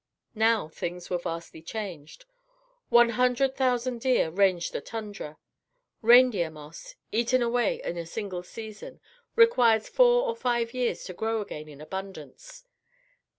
Now things were vastly changed. One hundred thousand deer ranged the tundra. Reindeer moss, eaten away in a single season, requires four or five years to grow again in abundance.